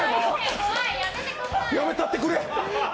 やめたってくれ！